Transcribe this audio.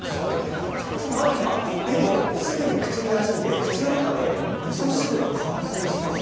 すぐに口になじんで口の中でみそ汁が完成します。